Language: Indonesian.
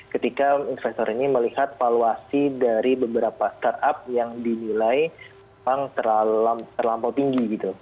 ketika investor ini melihat valuasi dari beberapa startup yang dinilai memang terlampau tinggi gitu